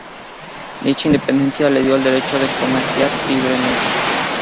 Dicha Independencia le dio el derecho de comerciar libremente.